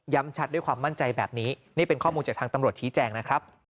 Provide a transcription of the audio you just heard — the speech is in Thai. ชัดด้วยความมั่นใจแบบนี้นี่เป็นข้อมูลจากทางตำรวจชี้แจงนะครับ